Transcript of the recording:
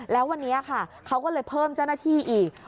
แล้ววันนี้ค่ะเขาก็เลยเพิ่มเจ้าหน้าที่อีก